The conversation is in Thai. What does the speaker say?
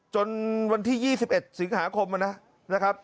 จนวันที่๒๑สิงหาคมนะครับ